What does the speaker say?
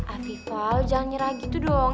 artifal jangan nyerah gitu dong